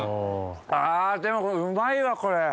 あでもこれうまいわ。